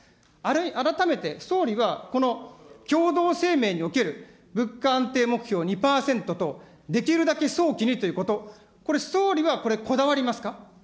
改めて、総理は、この共同声明における、物価安定目標２％と、できるだけ早期にということ、これ総理はこだわりますか。